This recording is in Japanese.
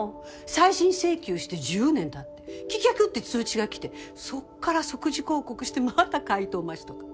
再審請求して１０年たって棄却って通知が来てそっから即時抗告してまた回答待ちとか。